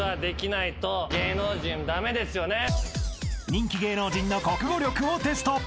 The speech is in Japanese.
［人気芸能人の国語力をテスト］